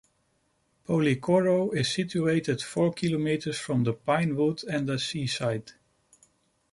Policoro is situated four kilometers from the pinewood and the seaside.